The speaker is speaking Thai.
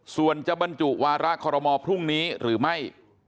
ส่วนจะบรรจุวาระคอรมอลพรุ่งนี้หรือไม่